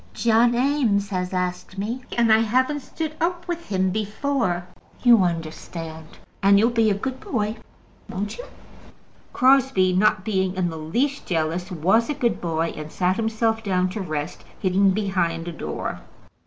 John Eames has asked me, and I haven't stood up with him before. You understand, and you'll be a good boy, won't you?" Crosbie, not being in the least jealous, was a good boy, and sat himself down to rest, hidden behind a door.